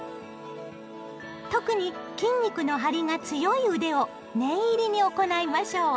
特に筋肉の張りが強い腕を念入りに行いましょう。